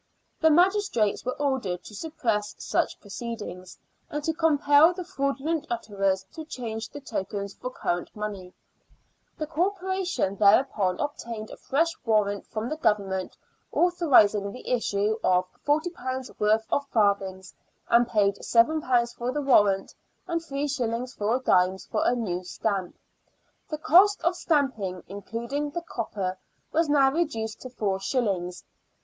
The magistrates were ordered to suppress such proceedings, and to compel the fraudulent utterers to change the tokens for current money. The Corporation thereupon obtained a fresh warrant from the Government, authorising the issue of £40 worth of farthings, and paid £7 for the warrant and 3s. 4d. for a new stamp. The cost of stamping, including the copper, was now reduced to 4s.